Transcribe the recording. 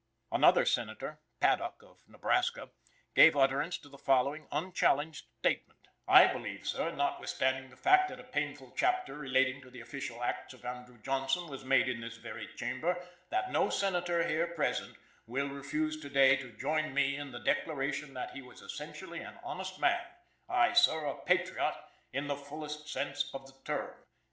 Another Senator (Paddock, of Nebraska) gave utterance to the following unchallenged statement: "I believe, sir, notwithstanding the fact that a painful chapter relating to the official acts of Andrew Johnson was made in this very chamber, that no Senator here present will refuse to day to join me in the declaration that he was essentially an honest man; aye, sir, a patriot in the fullest sense of the term."